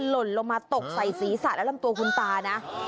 หล่นลงมาตกใส่สีสัตว์อารมณ์ตัวคุณตานะ